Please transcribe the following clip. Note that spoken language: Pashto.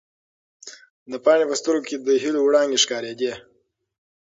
د پاڼې په سترګو کې د هیلو وړانګې ښکارېدې.